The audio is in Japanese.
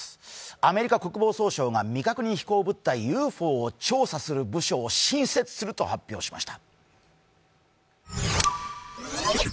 アメリカ国防総省が未確認飛行物体＝ＵＦＯを調査する部署を新設すると発表しました。